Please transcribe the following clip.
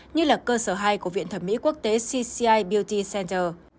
như là cơ sở hai của viện thẩm mỹ quốc tế cci biêut center